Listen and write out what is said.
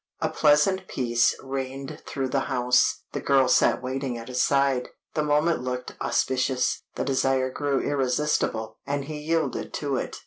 A pleasant peace reigned through the house, the girl sat waiting at his side, the moment looked auspicious, the desire grew irresistible, and he yielded to it.